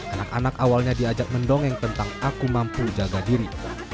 anak anak awalnya diajak mendongeng tentang aku mampu jaga diri